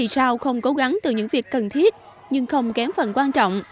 sao không cố gắng từ những việc cần thiết nhưng không kém phần quan trọng